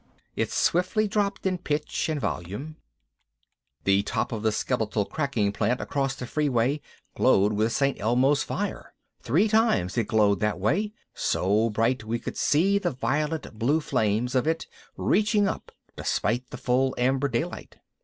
It swiftly dropped in pitch and volume. The top of the skeletal cracking plant across the freeway glowed with St. Elmo's fire! Three times it glowed that way, so bright we could see the violet blue flames of it reaching up despite the full amber daylight.